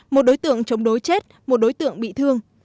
một đối tượng chống đối chết một đối tượng bị thương